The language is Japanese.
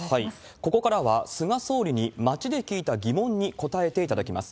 ここからは、菅総理に街で聞いた疑問に答えていただきます。